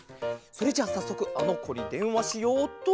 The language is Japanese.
それじゃあさっそくあのこにでんわしようっと。